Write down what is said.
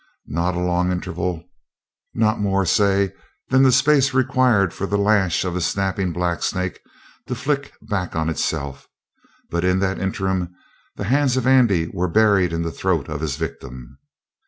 Not a long interval no more, say, than the space required for the lash of a snapping blacksnake to flick back on itself but in that interim the hands of Andy were buried in the throat of his victim.